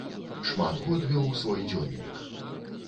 Шмат год вёў свой дзённік.